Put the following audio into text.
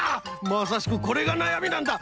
まさしくこれがなやみなんだ！